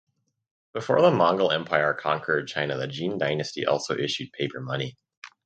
Before the Mongol Empire conquered China the Jin dynasty also issued paper money.